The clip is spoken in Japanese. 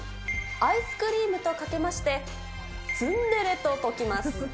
アイスクリームとかけまして、ツンデレとときます。